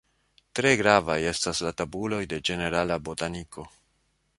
Tre gravaj estas la tabuloj de ĝenerala botaniko.